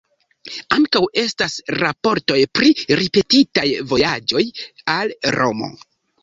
Ankaŭ estas raportoj pri ripetitaj vojaĝoj al Romo.